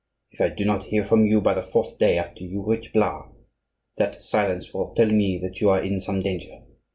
If I do not hear from you by the fourth day after you reach Blois, that silence will tell me that you are in some danger.